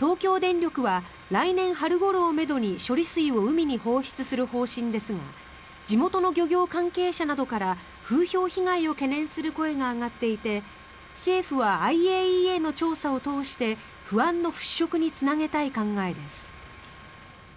東京電力は来年春ごろをめどに処理水を海に放出する方針ですが地元の漁業関係者などから風評被害を懸念する声が上がっていて政府はＩＡＥＡの調査を通して不安の払しょくにつなげたい考えです。